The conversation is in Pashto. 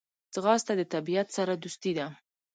ځغاسته د طبیعت سره دوستي ده